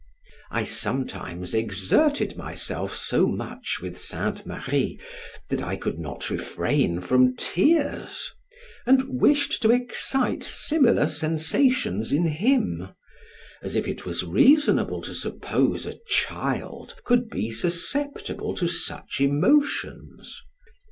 I sometimes exerted myself so much with St. Marie, that I could not refrain from tears, and wished to excite similar sensations in him; as if it was reasonable to suppose a child could be susceptible to such emotions.